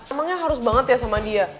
emangnya harus banget ya sama dia